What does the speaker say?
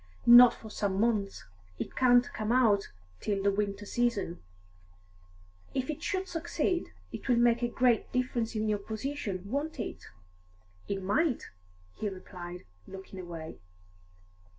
"Not for some months. It can't come out till the winter season." "If it should succeed, it will make a great difference in your position, won't it?" "It might," he replied, looking away.